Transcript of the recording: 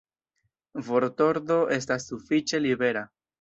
Vortordo estas sufiĉe libera.